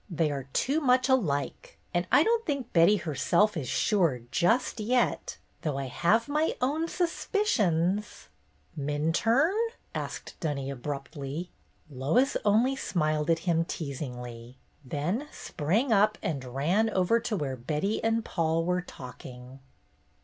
"They are too much alike. And I don't think Betty herself is sure, just yet, though I have my own suspicions." " Minturne ?" asked Dunny, abruptly. Lois only smiled at him teasingly, then sprang up and ran over to where Betty and Paul were talking.